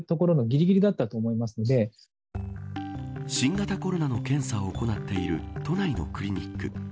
新型コロナの検査を行っている都内のクリニック。